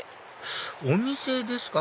お店ですか？